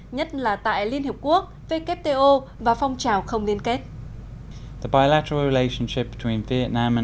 nhất là tại liên hiệp quốc wto và phong trào không liên kết